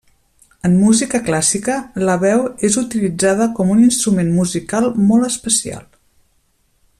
En música clàssica, la veu és utilitzada com un instrument musical molt especial.